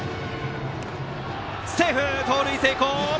セーフ、盗塁成功！